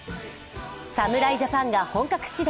侍ジャパンが本格始動。